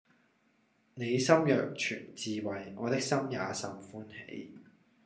你心若存智慧，我的心也甚歡喜